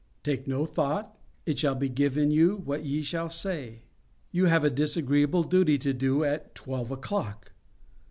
'Take no thought. It shall be given you what ye shall say.' You have a disagreeable duty to do at twelve o'clock.